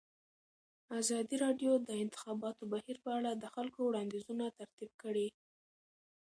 ازادي راډیو د د انتخاباتو بهیر په اړه د خلکو وړاندیزونه ترتیب کړي.